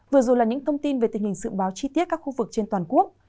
vừa rồi là những thông tin về tình hình sự báo chi tiết các khu vực trên toàn quốc